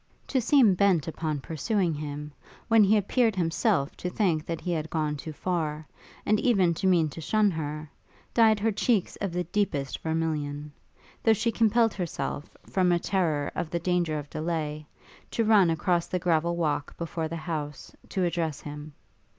To seem bent upon pursuing him, when he appeared himself to think that he had gone too far, and even to mean to shun her, dyed her cheeks of the deepest vermilion; though she compelled herself, from a terrour of the danger of delay, to run across the gravel walk before the house, to address him.